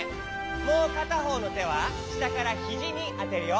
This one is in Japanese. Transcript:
もうかたほうのてはしたからひじにあてるよ。